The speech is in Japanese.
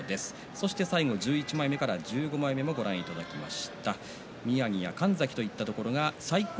そして最後１１枚目から１５枚目までをご覧いただきます。